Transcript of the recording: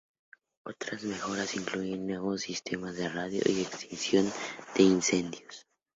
Otras mejoras incluyen, nuevos sistemas de radio y extinción de incendios.